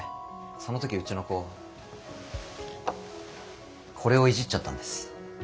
その時うちの子これをいじっちゃったんです。